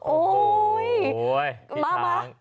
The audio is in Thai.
โอ้โฮพี่ช้าง